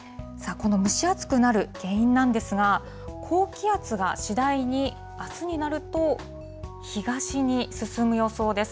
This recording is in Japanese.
この蒸し暑くなる原因なんですが、高気圧が次第に、あすになると東に進む予想です。